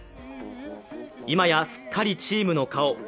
今や、すっかりチームの顔。